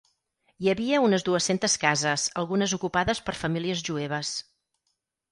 Hi havia unes dues-centes cases algunes ocupades per famílies jueves.